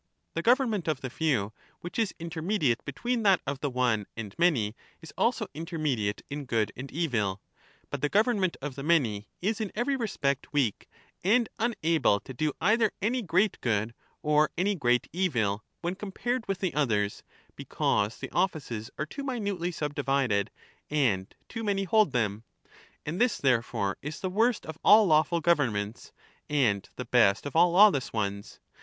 The government of the few, which is intermediate tyranny between that of the one and many, is also intermediate in ^^®^°"^ good and evil ; but the government of the many is in every Ti^««o^ern respect weak and unable to do either any great good or any few is imer great evil, when compared with the others, because the mediate in GTOOQ and offices are too minutely subdivided and too many hold them. evil. De And this therefore is the worst of all lawful governments, mocracy »s and the best of all lawless ones.